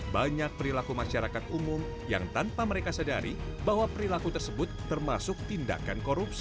banyak perilaku masyarakat umum yang tanpa mereka sadari bahwa perilaku tersebut termasuk tindakan korupsi